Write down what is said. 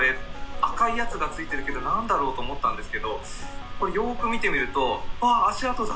赤いやつがついてるけど、なんだろうと思ったんですけど、これ、よーく見てみると、あっ、足跡だ！